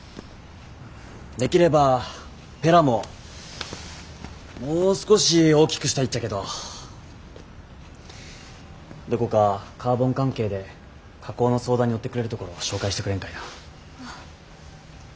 できればペラももう少し大きくしたいっちゃけどどこかカーボン関係で加工の相談に乗ってくれるところを紹介してくれんかいな。